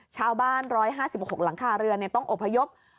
ชาวบ้าน๑๕๖หลังคาเรือนต้องอบพยพ